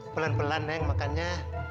pelan pelan neng makan ya